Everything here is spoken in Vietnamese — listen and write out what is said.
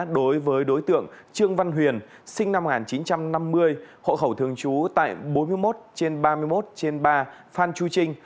đối với đối tượng trương văn huyền sinh năm một nghìn chín trăm năm mươi hộ khẩu thường trú tại bốn mươi một trên ba mươi một trên ba phan chu trinh